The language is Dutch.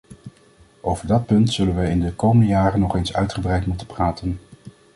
Over dat punt zullen wij in de komende jaren nog eens uitgebreid moeten praten.